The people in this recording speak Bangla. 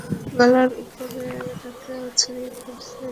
গলার উপর কেউ ছুরি ধরে রেখেছে।